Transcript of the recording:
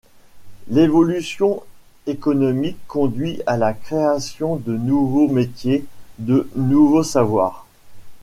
L'évolution économique conduit à la création de nouveaux métiers, de nouveaux savoirs.